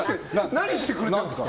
何してくれてるんですか。